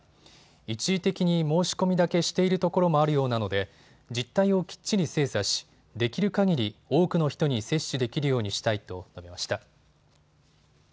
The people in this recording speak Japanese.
一時的に申し込みだけしているところもあるようなので実態をきっちり精査しできるかぎり多くの人に接種できるようにしたいと述べました。